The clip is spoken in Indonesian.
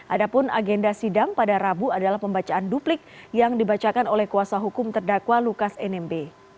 adapun agenda sidang pada rabu adalah pembacaan duplik yang dibacakan oleh kuasa hukum terdakwa lukas nmb